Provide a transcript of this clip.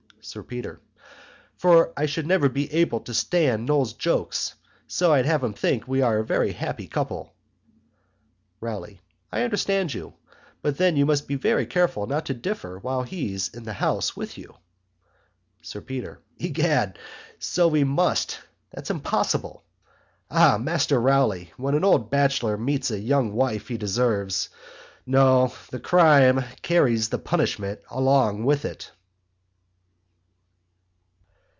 SIR PETER. For I should never be able to stand Noll's jokes; so I'd have him think that we are a very happy couple. ROWLEY. I understand you but then you must be very careful not to differ while He's in the House with you. SIR PETER. Egad and so we must that's impossible. Ah! Master Rowley when an old Batchelor marries a young wife He deserves no the crime carries the Punishment along with it.